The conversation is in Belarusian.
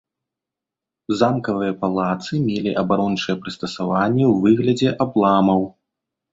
Замкавыя палацы мелі абарончыя прыстасаванні ў выглядзе абламаў.